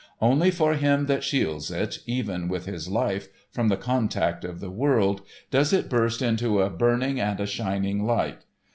Only for him that shields it, even with his life, from the contact of the world does it burst into a burning and a shining light.